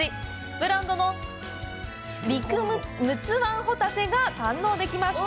ブランドの陸奥湾ホタテが堪能できます。